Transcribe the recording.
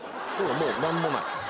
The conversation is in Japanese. もう何もない。